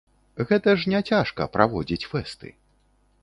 Гэта ж не цяжка, праводзіць фэсты.